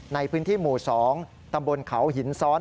ในพื้นที่หมู่๒ตำบลเขาหินซ้อน